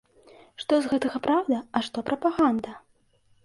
Што з гэтага праўда, а што прапаганда?